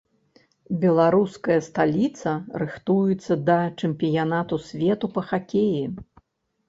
Беларуская сталіца рыхтуецца да чэмпіянату свету па хакеі.